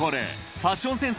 ファッションセンス